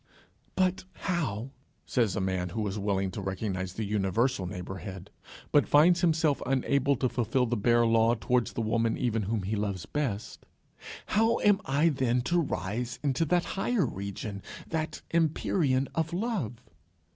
"But how," says a man, who is willing to recognize the universal neighbourhead, but finds himself unable to fulfil the bare law towards the woman even whom he loves best, "How am I then to rise into that higher region, that empyrean of love?"